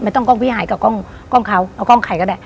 ต้องกล้องวิหายกับกล้องเขาเอากล้องใครก็ได้